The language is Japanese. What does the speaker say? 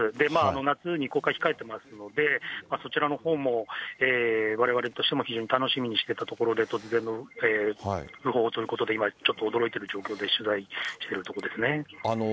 夏に公開控えてますので、そちらのほうもわれわれとしても非常に楽しみにしていたところで、突然の訃報ということで、今、ちょっと驚いてる状況で取材してるところですね。